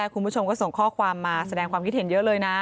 คุณผู้ชมก็ส่งข้อความมาแสดงความคิดเห็นเยอะเลยนะ